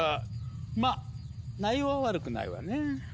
まっ内容は悪くないわね。